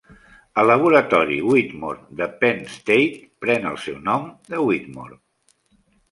El Laboratori Whitmore de Penn State pren el seu nom de Whitmore.